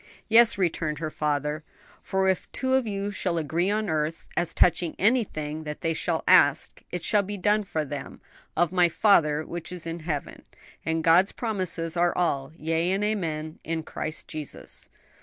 "Yes," returned her father, "for 'If two of you shall agree on earth, as touching anything that they shall ask, it shall be done for them of my Father which is in heaven'; and God's promises are all 'yea and amen in Christ Jesus.'"